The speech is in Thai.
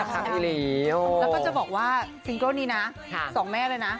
ก็จะบอกแนวสังเมตร